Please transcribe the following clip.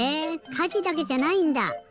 かじだけじゃないんだ！